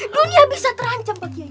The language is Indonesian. dunia bisa terancam pak